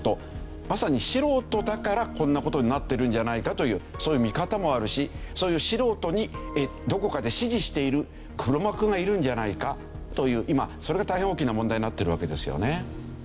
まさに素人だからこんな事になってるんじゃないかというそういう見方もあるしそういう素人にどこかで指示している黒幕がいるんじゃないかという今それが大変大きな問題になっているわけですよね。